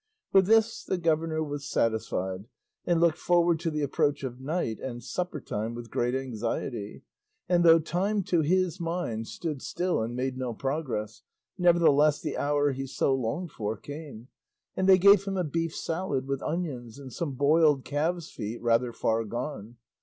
With this the governor was satisfied and looked forward to the approach of night and supper time with great anxiety; and though time, to his mind, stood still and made no progress, nevertheless the hour he so longed for came, and they gave him a beef salad with onions and some boiled calves' feet rather far gone.